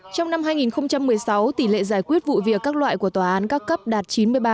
trong năm hai nghìn một mươi sáu tỷ lệ giải quyết vụ việc các loại của tòa án các cấp đạt chín mươi ba